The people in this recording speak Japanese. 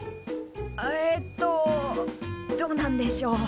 えっとどうなんでしょ。